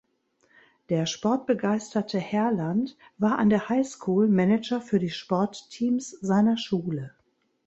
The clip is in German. Der sportbegeisterte Herland war an der High School Manager für die Sportteams seiner Schule.